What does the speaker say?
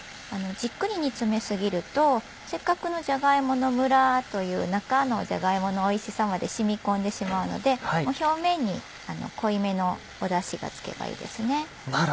じっくり煮詰め過ぎるとせっかくのじゃが芋のムラという中のじゃが芋のおいしさまで染み込んでしまうので表面に濃いめのだしが付けばいいですね。